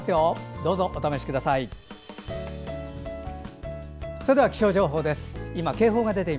どうぞお試しください。